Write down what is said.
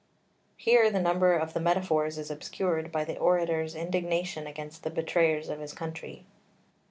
Here the number of the metaphors is obscured by the orator's indignation against the betrayers of his country.